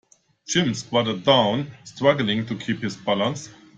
Jim squatted down, struggling to keep his balance.